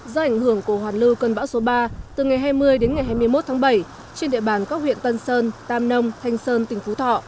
do ảnh hưởng của hoàn lưu cơn bão số ba từ ngày hai mươi đến ngày hai mươi một tháng bảy trên địa bàn các huyện tân sơn tam nông thanh sơn tỉnh phú thọ